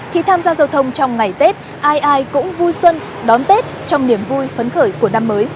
khi tham gia giao thông trong ngày tết ai ai cũng vui xuân đón tết trong niềm vui phấn khởi của năm mới